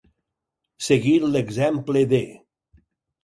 Seguir l'exemple de.